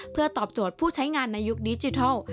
เพื่อตอบโจทย์ผู้ใช้งานในยุคดิจิทัล